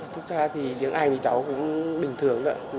thực ra thì tiếng anh thì cháu cũng bình thường ạ